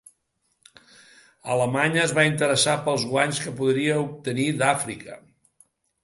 Alemanya es va interessar pels guanys que podria obtenir d'Àfrica.